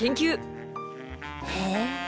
へえ。